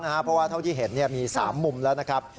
เพราะว่าเท่าที่เห็นมี๓มุมแล้วนะครับ